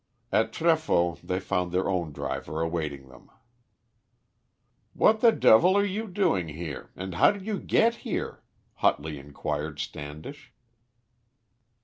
At Trefoi they found their own driver awaiting them. "What the devil are you doing here, and how did you get here?" hotly inquired Standish.